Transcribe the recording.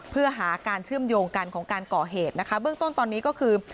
เพื่อหาการเชื่อมโยงกันของการก่อเหตุนะคะเบื้องต้นตอนนี้ก็คือ